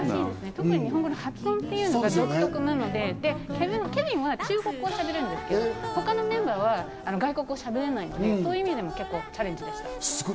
特に日本語の発音というのが独特なので、ケヴィンは中国語をしゃべれるんですけど、他のメンバーは外国語をしゃべれないので、チャレンジでした。